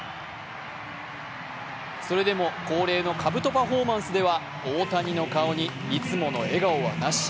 それでも恒例のかぶとパフォーマンスでは、大谷の顔にいつもの笑顔はなし。